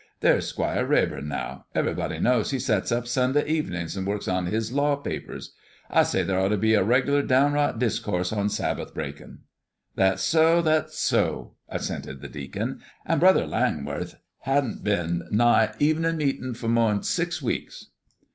There's Squire Radbourne, now. Everybody knows he sets up Sunday evenin's and works on his law papers. I say there ought to be a reg'lar downright discourse on Sabbath breakin'." "Thet's so, thet's so," assented the deacon. "And Brother Langworth hasn't been nigh evenin' meetin' for mor'n six weeks."